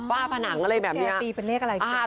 ตุ๊กแกตีเป็นเลขอะไร